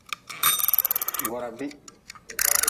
Goorabih.